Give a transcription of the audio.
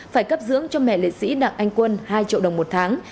phải cấp dưỡng cho mẹ liệt sĩ đặng anh quân hai triệu đồng một tháng